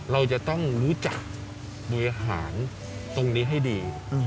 เราจะต้องรู้จักบริหารตรงนี้ให้ดี